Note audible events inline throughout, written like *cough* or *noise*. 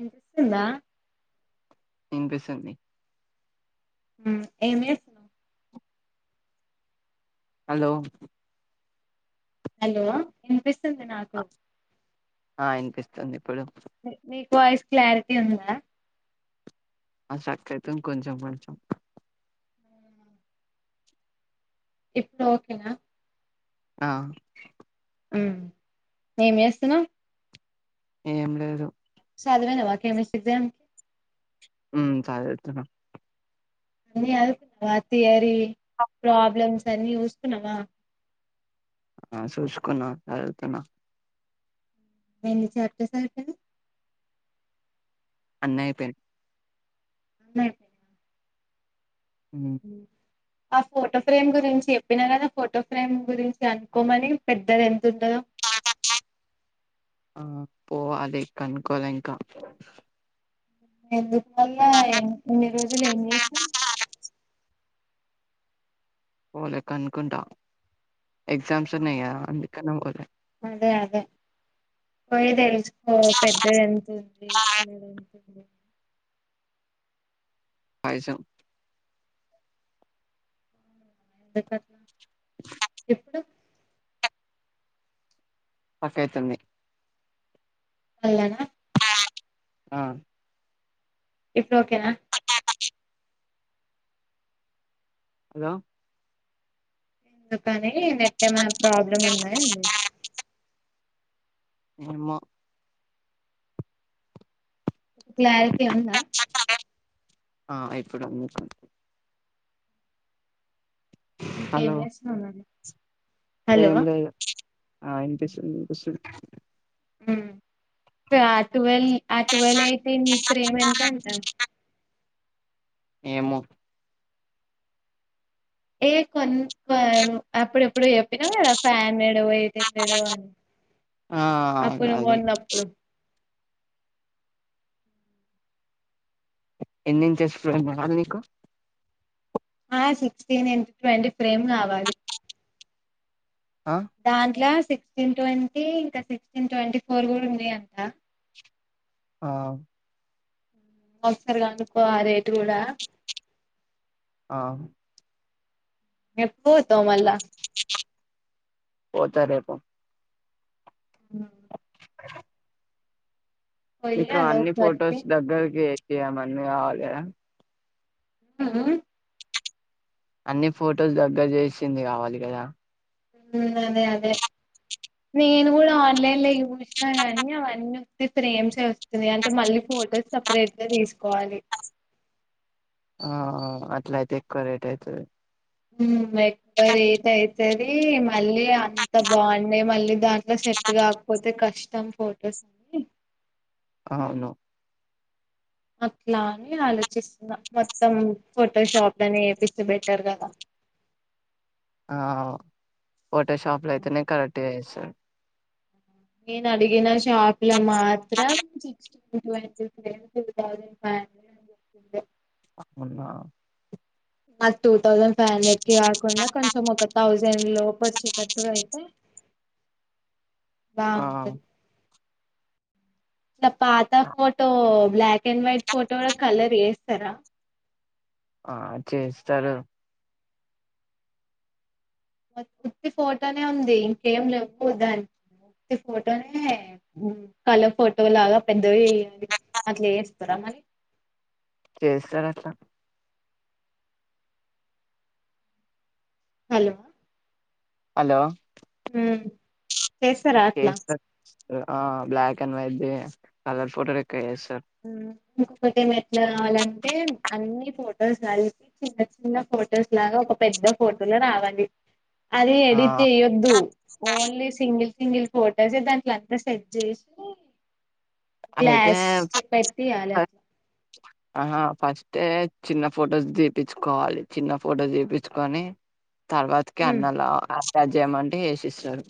ఇంట్ ఉందా విన్ పిస్తుంది ఏమి చేస్ హలో హలో వినిపిస్తుంది నాకు పిస్తుంది ఇప్పుడు మీకు వాయిస్ క్లారిటీ ఉందా ఆ స్ట్రాక్ ఐతుంది కొంచెం కొంచెం ఇప్పుడు ఓకేనా ఆ హ్మ్ ఏం చేస్తున్నావు ఏం లేదు సదివినవ కెమిస్ట్ ఎగ్జామ్ ఉ సదువుతున అన్ని సదుకున్నావా థియరీ, ప్రాబ్లమ్స్, అన్ని చూసుకున్నావా. ఆ చూసుకున్నా చదుతున్నా ఎన్ని చాప్టర్స్ అయిపోనియి అన్నీ అయిపోయినాయి. మే హమ్ ఆ ఫోటో ఫ్రేమ్ గురించి చెప్పిన కదా, ఆ ఫోటో ఫ్రేమ్ గురించి కనుక్కోమని పెద్దది ఎంతతుంటదో. *unintelligible* ఆ పోవాలి అదే కనుకోలే ఇంకా ఎందుకల్ల, ఎ ఇన్ని రోజులు ఏం చేసినావు? పోలేె కనుకుంటా. ఎగ్జామ్స్ ఉన్నాయిగా అందుకని అదే అదే పోయి తెలుసుకో పెద్దది ఎంతుంటుంది. పైసల్ ఎందుకట్లా? ఎప్పుడు? పక్కైతుంది. అలనా మ్ ఇప్పుడు ఓకేనా. పట్టకా *unintelligible* హలో! ఎందుకని నెట్ ఏమైనా ప్రాబ్లమ్ ఉందా ఏంది? ఎమో క్లారిటీ ఉందా? ఆ ఇప్పుడు ఉంది. ఇంకేం హలో చేస్తున్నారండి. ఏం లేదు ఆ వినిపిస్తుంది. వినిపిస్తుంది. ఉమ్, ట్వళ్ ట్వళ్ అయితే ప్రేమ్ ఎంత అంట. ఏమో ఏ కొన్ని అప్పుడు ఎప్పుడు చెప్పినావు. ఫ్యాన్ ఏమి చేశాడో అని ఆ అప్పుడు అది బావుంది అప్పుడు. ఎన్ని ఇంచెస్ కావాలి నీకు. ఆ సిక్స్టీన్ ఇంటూ ట్వంటీ ఫ్రేమ్ కావాలి. ఆ దాంట్లో సిక్స్టీన్ ట్వంటీ ఇంకా సిక్స్టీన్ ట్వంటీ ఫోర్ కూడా ఉన్నాయి అంట. ఆ ఒకసారిగనుకో ఆ రేటు కూడా ఆ ఎప్పుడు పోతావు మల్లా పోతా రేపు. అ *inaudible* పోయి ఇంకా అన్ని అదొకటి ఫొటోస్ దగ్గరకి చేసిందేమన్నా కావాల గదా మ్ అన్ని ఫొటోస్ దగ్గర చేసింది కావాలి కదా. ఉ అదే అదే నేను కూడా ఆన్లైన్ లో చూసినా గానీ అవన్నీ ఒట్టి ప్రేమ్స్ వస్తున్నాయి అంటే మళ్ళీ ఫోటోస్ సపరేట్ గా తీసుకోవాలి ఆ అట్ల అయితే ఎక్కువ రేట్ అవుతాది. ఉమ్, ఎక్కువ రేట్ మళ్ళీ అంత బాగుండె మళ్ళీ దాంట్లో సెట్గా కాకపోతే కష్టం. ఇస్తాం ఫోటోస్ అని అవును అట్లా అని ఆలోచిస్తున్నా మొత్తం ఫోటోషాప్ లోనే చేపిస్తే బెటర్ కదా *unintelligible* ఆ ఫోటో షాప్ లో అయితేనే కరెక్ట్ గా చేస్తారు నేను అడిగిన షాప్ లో మాత్రం *unintelligible* మొన్నా నాకు టూ థౌజండ్ ఫైవ్ హండ్రెడ్ కి కాకుండా కొంచెం ఒక థౌజండ్ లోపు వచ్చేటట్టుగా అయితే ఆ బాగుంటది నా పాత photo black and white photo లో కలర్ ఏస్తారా ఆ చేస్తారు వట్టి ఫోటోనే ఉంది. ఇంకేం లేవు దానికి *unintelligible* ఫోటోనే కాలర్ ఫోటో లాగా పద్ద ఏ అట్ల చేస్తారా మరి చేస్తారు అట్ల హలో హలో హ్ చేస్తరా అట్లా చేస్తారు ఆ బ్లాక్ అండ్ వైట్ ది కలర్ ఫోటోలు లేక్క చేసు హ్ ఇంకొకటి ఏమే ఎట్లా కావాలంటే అన్ని ఫొటోస్ కలిపి చిన్న చిన్న ఫొటోస్ లాగా ఒక పెద్ద ఫోటో లో రావాలి. అది ఆ ఎడిట్ చేయొద్దు ఓన్లీ సింగిల్ సింగిల్ ఫొటోసే దాంట్ల అంతా సెట్ చేసి అయితే గ్లాస్ చె పెట్టియాల ఆహా ఫస్టే చిన్న ఫొటోస్ తిపించ్చుకోవాలి చిన్న ఫొటోస్ దిపించ్చు కొని తర్వాతకి హ్మ్ అన్నలా అటాచ్ చేయమంటే చేసిస్తారు.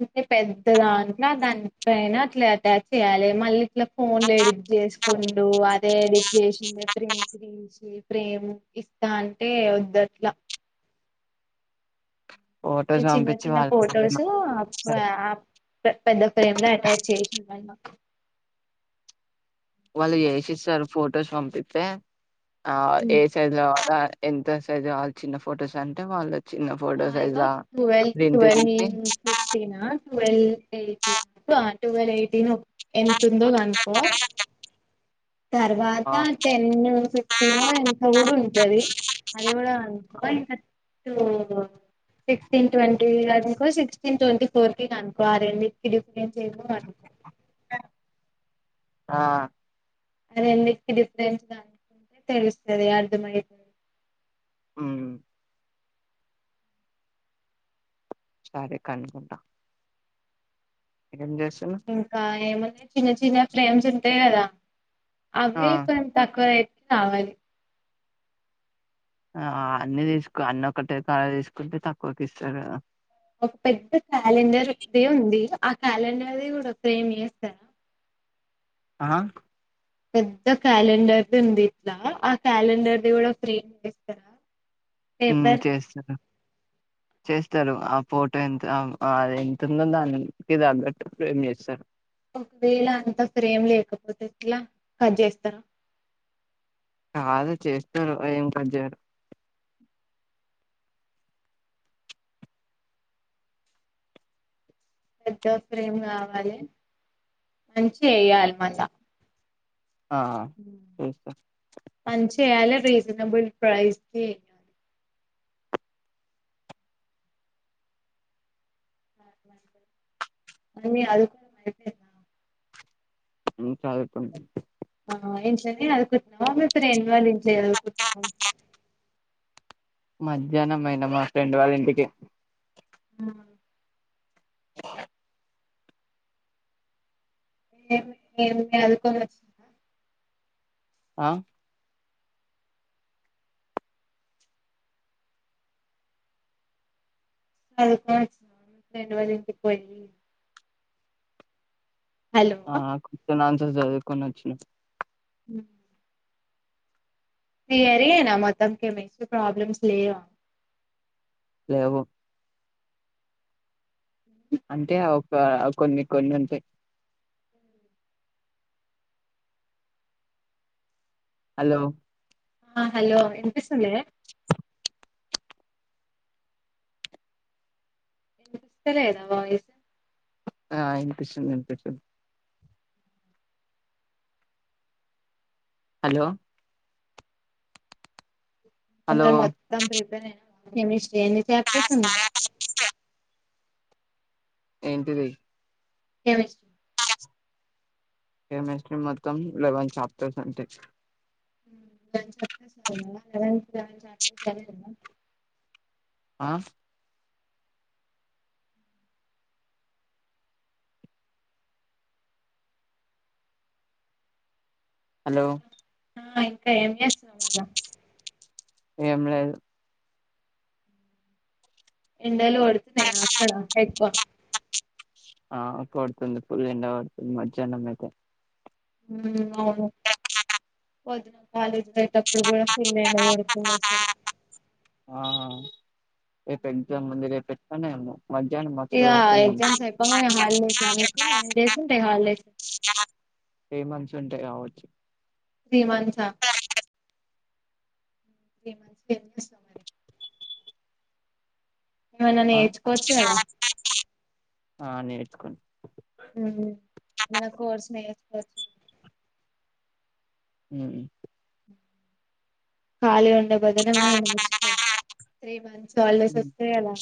అంటే పెద్దదాంట్ల దానిపైన అట్లా ఆటాచ్ చెయాలి. మళ్ళీ ఇట్లా ఫోన్లు ఎడిట్ చేసుకుండు అదే ఎడిట్ చేసిండు. ప్రింట్ రీల్స్ చేపి ప్రేమ్ ఇస్తా అంటే వద్దట్లా ఫొటోస్ చిన్న పంపించి చిన్న వాళ్ళ ఫోటోస్ ఆఫ్ ఆప్ పే పెద్ద ఫ్రేమ్ ల అటాచ్ చేసిర్రూ అయినా వాళ్ళు చేసిస్తారు. ఫొటోస్ పంపిస్తే ఆ ఏ సైజ్ లో కావాలో ఆ సైజ్ ఎంత సైజ్ కావలె చిన్న ఫొటోస్ అంటే వాళ్ళు చిన్న ఫోటో ఆ సైజ్ ఇగొ లా ట్వల్వ్ ప్రింట్ ట్వల్వ్ తీసి ఫిఫ్టన్ ట్వల్ ఎయిటిన్ ఆ ట్వెల్వ్ ఎయిటీన్ ఎంత ఉందో కనుకో తర్వాత ఆ టెన్ ఫిఫ్టీన్ ఎంతో కూడా ఉంటది. అది కూడా ఓ ఇంకా టూ సిక్స్టీన్ ట్వంటీ అనుకో సిక్స్టీన్ ట్వంటీ ఫోర్ కి కనుకో ఆ రెండికిి డిఫంరెంట్ ఏందో కనుకో ఆ అది ఎన్నికి డిఫరెన్స్ అనుకుంటే తెలుస్తది అర్థంమైతది. హ్ సరే కనుకుంట ఇంకా ఏమున్నయి. చిన్న చిన్న ప్రేమ్స్ ఉంటాయి. కదా ఆ అవి కొంత తక్కువయితే కావాలి. ఆ అన్ని తీసుకో అన్ని ఒకటే కాడ తీసుకుంటే తక్కువకి ఇస్తారు. ఒక పెద్ద క్యాలెండర్ దే ఉంది. ఆ క్యాలెండర్ది కూడా ఫ్రేమ్ చేస్తారా ఆ పెద్ద క్యాలెండర్ది ఉంది. ఇట్లా ఆ క్యాలెండర్ది కూడా ఫ్రేమ్ చేస్తారా ఉ పేపర్ చేస్తారు చేస్తారు. ఆ ఫోటో ఎంత అది ఎంత ఉందో దానికి తగ్గట్టు ఫ్రేమ్ చేస్తారు. ఒకవేళ అంతా ఫ్రేమ్ లేకపోతే ఎట్లా కట్ చేస్తార కాదు చేస్తారు ఏం కట్ చేయరు పెద్దో ఫ్రేమ్ కావాలే మంచి ఏయ్యాలే మళ్ళా ఆహా తెలుసా చేయాలే రీసనబుల్ ప్రైస్‌కే మని అది కూడా వైటేనా *unintelligible* ఆ ఇంట్లోనే అదువుకుంటున్నావ మీ ఫ్రెండ్ వాళ్ళ ఇంట్లో చదుకుంటున్నావ మధ్యాహ్నం అయినా మా ఫ్రెండ్ వాళ్ళ ఇంటికి హ్మ్ ఏమి ఏం చదువుకోని వచ్చినారా ఆ చదువుకోని వచ్చినావా మీ ఫ్రెండ్ వాళ్ళ ఇంటికి పోయి హలో ఆ కొచ్చన్ ఆన్సర్స్ చదువుకుని వచ్చిన మ్మ్ థియరీయెనా మొత్తం కెమిస్ట్రీ ప్రాబ్లమ్స్ లేవా లేవు అంటే ఒక కొన్ని కొన్ని ఉంటాయి హలో ఆ హలో ఇనిపిస్తుంలే ఇనిపిస్తలేదా వాయిసు ఆ ఇనిపిస్తుంది ఇనిపిస్తుంది హలో హలో ఏమైనా మొత్తం ప్రిపేర్ అయినవా కెమిస్ట్రీ ఎన్ని చాప్టర్స్ ఉన్నాయి ఏంటిది కెమిస్ కెమిస్ట్రీ మొత్తం లెవెన్ చాప్టర్స్ అంటే మ్మ్ లెవెన్ చాప్టర్ చదివినవా *unintelligible* ఆ హలో ఆ ఇంకా ఏం చేస్తున్నావ్ మళ్ళా ఏం లేదు ఎండలు కొడుతున్నాయా అక్కడ ఎక్కువ ఆ కొడుతుంది ఫుల్ ఎండ కొడతుంది మధ్యాహ్నం ఎక్కువ ఉమ్మ్ అవును పొద్దు కాలేజ్ కి పోయేటప్పుడు కూడా ఫుల్ ఎండ కొడుతుంది అసలు ఆ రేపు ఎగ్జామ్ ఉంది రేపు పెట్టానేేమో మధ్యాహ్నం ఇగ వచ్చేదాకనే ఉంది ఎగ్జామ్స్ అయిపోంగానే హాలిడేసా మీకు ఎన్ని డేస్ ఉంటాయి హాలిడేస్ ఎ మంత్స్ ఉంటాయి కావచ్చు త్రీ మంత్స్ఆ త్రీ మంత్స్ ఏం చేస్తావ్ మరి ఏమన్నా ఆ నేర్చుకోవచ్చు కదా ఆ నేర్చుకుం ఏమన్నా కోర్స్ *unintelligible* ఉమ్మ్ ఖాళీగా ఉండే బదునమ ఏమన్నా నేర్చుకో త్రీ మంత్స్ హాలిడేస్ ఉమ్ వస్తాయి కదా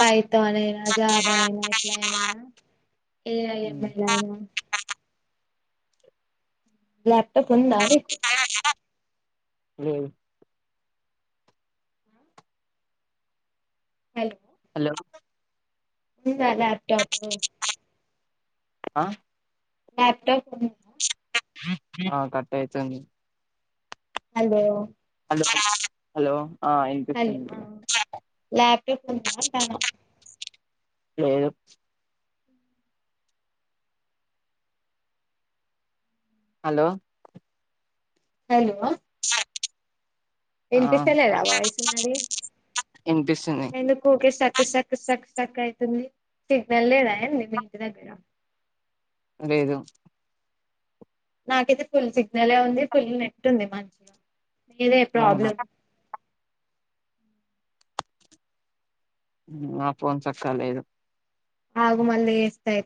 పైథాన్ అయినా జావా అయినా ఇట్ల ఏమైనా ఏఐ ఉమ్. యంయల్ అయినా ల్యాప్ లేదు హలో దాలు ఉందా ల్యాప్టాప్ ఆ ల్యాప్టాప్ ఉన్ ఆ కట్ అయితుంది హలో హలో ఆ ఇనిపితుంది హలో ల్యాప్టాప్ ఉందా అంటాను లేదు హలో హలో ఉన్నాలే ఇనిపిస్తలేదా వాయిస్ నాది వినిపిస్తుంది ఎందుకు ఊకె స్టక్ స్టక్ స్టక్ స్టక్ అయితుంది సిగ్నల్ లేదా ఏంది మీ ఇంటి దగ్గర లేదు నాకైతే ఫుల్ సిగ్నల్ ఉంది ఫుల్ నెట్ ఉంది మం ఇదే అవును ప్రాబ్లమ్ మా ఫోన్ సక్కగా లేదు ఆగు మళ్ళీ ఏస్తాయి